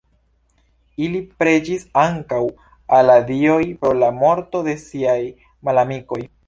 Ili preĝis ankaŭ al la dioj pro la morto de siaj malamikoj.